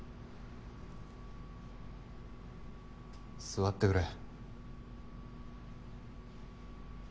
座ってくれ。